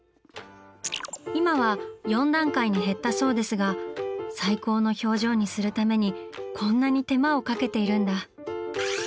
今は４段階に減ったそうですが最高の表情にするためにこんなに手間をかけているんだ。